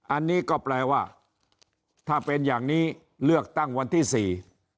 อันนี้ก็แปลว่าถ้าเป็นอย่างนี้เลือกตั้งวันที่สี่